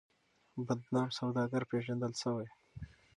بدنام سوداگر پېژندل شوی.